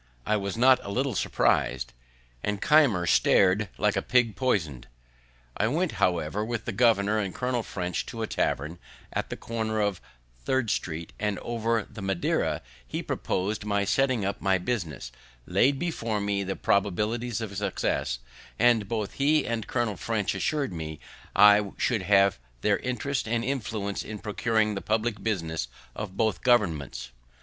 I was not a little surprised, and Keimer star'd like a pig poison'd. I went, however, with the governor and Colonel French to a tavern, at the corner of Third street, and over the Madeira he propos'd my setting up my business, laid before me the probabilities of success, and both he and Colonel French assur'd me I should have their interest and influence in procuring the public business of both governments.